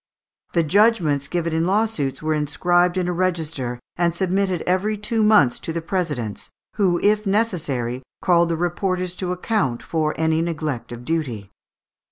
The judgments given in lawsuits were inscribed in a register, and submitted every two months to the presidents, who, if necessary, called the reporters to account for any neglect of duty.